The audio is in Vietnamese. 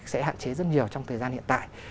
sẽ hạn chế rất nhiều trong thời gian hiện tại